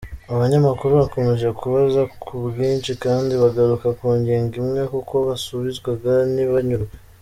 Abanyamakuru bakomeje kubaza ku bwinshi kandi bagaruka ku ngingo imwe kuko basubizwaga ntibanyurwe.